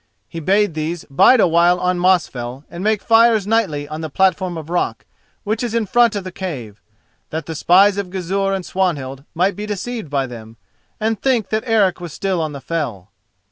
He bade these bide a while on Mosfell and make fires nightly on the platform of rock which is in front of the cave, that the spies of Gizur and Swanhild might be deceived by them, and think that Eric was still on the fell.